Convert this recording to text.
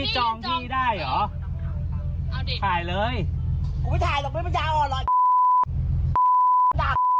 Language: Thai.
จองที่ก่อน